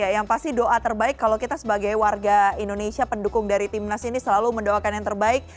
ya yang pasti doa terbaik kalau kita sebagai warga indonesia pendukung dari tim nas ini selalu mendoakan yang terbaik